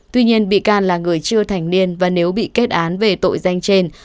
tuy nhiên bị can là người chưa thành niên và nếu bị kết án về tội danh trên